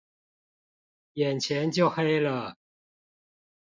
眼前就黑了